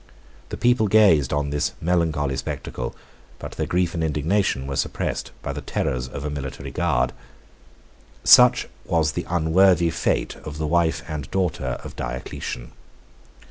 The people gazed on the melancholy spectacle; but their grief and indignation were suppressed by the terrors of a military guard. Such was the unworthy fate of the wife and daughter of Diocletian.